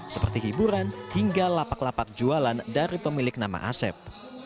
seperti hiburan hingga lapak lapak jualan dari pemilik nama asep